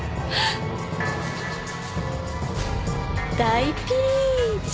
大ピンチ。